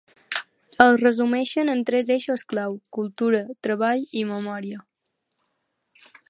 El resumeixen en tres eixos clau: cultura, treball, i memòria.